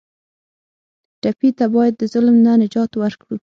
ټپي ته باید د ظلم نه نجات ورکړو.